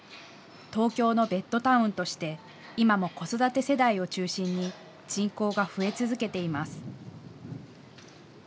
東京のベッドタウンとして今も子育て世代を中心に人口が増え続けています。